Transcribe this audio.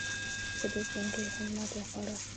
په دې جنګ کې هند ماتې وخوړه.